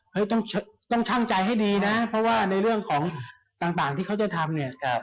ต้องช่างใจให้ดีนะเพราะว่าในเรื่องของต่างที่เขาจะทำเนี่ย